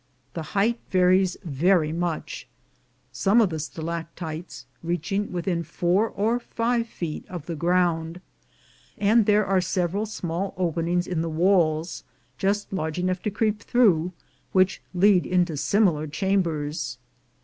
The height varies very much, some of the stalactites reaching within four or five feet of the ground ; and there are several small openings in the walls, just large enough to creep through, which lead into similar chambers.